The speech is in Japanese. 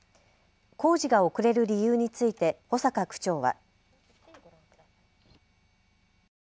工事が遅れる理由について保坂区長は。